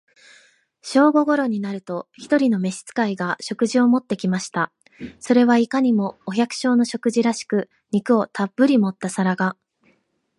正午頃になると、一人の召使が、食事を持って来ました。それはいかにも、お百姓の食事らしく、肉をたっぶり盛った皿が、